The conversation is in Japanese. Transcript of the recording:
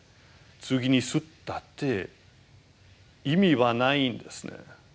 次に吸ったって意味はないんですね。